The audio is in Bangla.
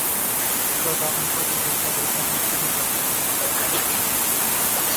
যথা অন্তর, জিহ্বা ও কর্ম ইত্যাদির মাধ্যমে।